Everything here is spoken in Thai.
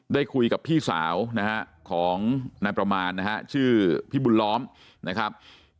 ได้คุยกับพี่สาวนะฮะของนายประมาณนะฮะชื่อพี่บุญล้อมนะครับ